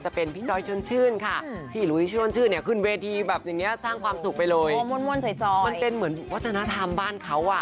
คุณผู้ชมดูจากภาพบรรณากาศแล้วนะคะ